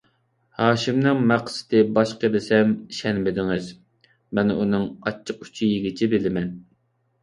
ھاشىمنىڭ مەقسىتى باشقا دېسەم ئىشەنمىدىڭىز، مەن ئۇنىڭ ئاچچىق ئۈچىيىگىچە بىلىمەن.